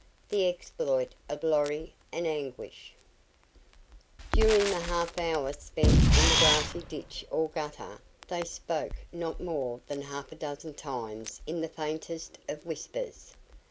THE EXPLOIT OF LORRY AND ANGUISH During the half hour spent in the grassy ditch or gutter, they spoke not more than half a dozen times and in the faintest of whispers.